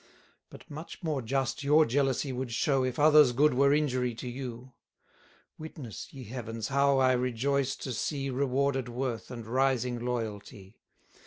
But much more just your jealousy would show, If others' good were injury to you: Witness, ye heavens, how I rejoice to see 90 Rewarded worth and rising loyalty!